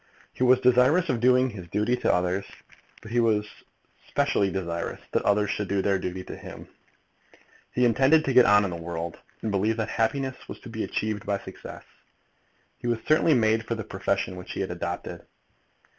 He was desirous of doing his duty to others, but he was specially desirous that others should do their duty to him. He intended to get on in the world, and believed that happiness was to be achieved by success. He was certainly made for the profession which he had adopted.